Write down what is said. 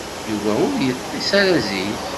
Yuba ur yeṭṭis ara zik.